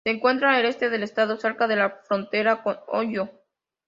Se encuentra al este del estado, cerca de la frontera con Ohio.